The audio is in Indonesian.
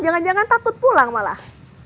jangan jangan takut pulang malah